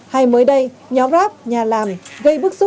hay mới đây nhóm rap nhà làm gây bức xúc